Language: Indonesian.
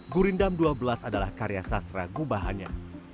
gurindam dua belas adalah karya sastra gubahannya